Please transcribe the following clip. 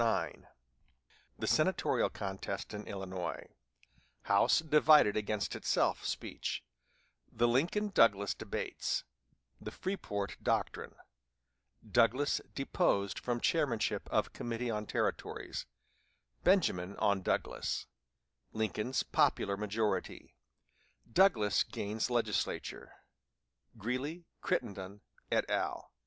IX The Senatorial Contest in Illinois "House Divided against Itself" Speech The Lincoln Douglas Debates The Freeport Doctrine Douglas Deposed from Chairmanship of Committee on Territories Benjamin on Douglas Lincoln's Popular Majority Douglas Gains Legislature Greeley, Crittenden, _et al.